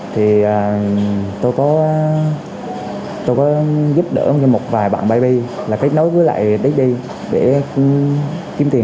thì tôi có giúp đỡ một vài bạn baby là kết nối với lại daddy để kiếm tiền